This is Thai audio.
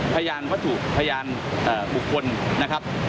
พยายามวัตถุพยายามบุคคลนะครับ